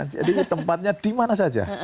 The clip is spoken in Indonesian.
jadi tempatnya dimana saja